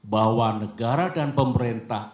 bahwa negara dan pemerintah